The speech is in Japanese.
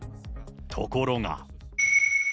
ところが。